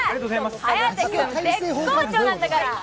颯君、絶好調なんだから。